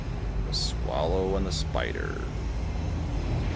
THE SWALLOW AND THE SPIDER.